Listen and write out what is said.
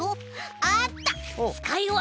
あった。